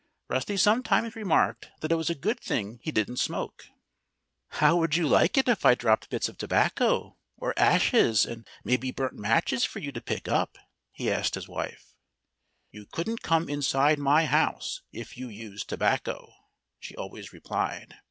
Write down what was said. Rusty sometimes remarked that it was a good thing he didn't smoke. "How would you like it if I dropped bits of tobacco, or ashes, and maybe burnt matches for you to pick up?" he asked his wife. "You couldn't come inside my house if you used tobacco," she always replied.